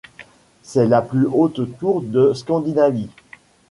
C'est la plus haute tour de Scandinavie.